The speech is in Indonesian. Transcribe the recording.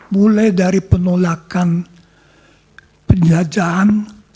mulai dari penolakan penjajahan